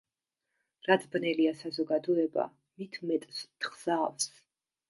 რაც ბნელია საზოგადოება, მით მეტს თხზავს.